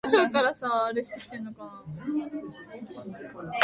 ある日の事でございます。